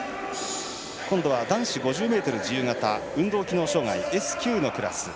今度は男子５０ｍ自由形運動機能障がいＳ９のクラス。